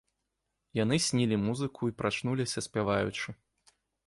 Яны снілі музыку і прачнуліся, спяваючы.